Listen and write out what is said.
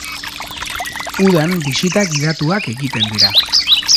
Udan bisita gidatuak egiten dira.